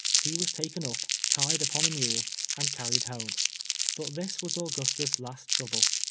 lie was taken up, tied upon a mide, and carried home. But this was Auy ustus' last trouble.